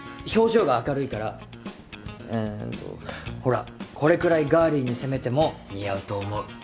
表情が明るいからえっとほらこれくらいガーリーに攻めても似合うと思う。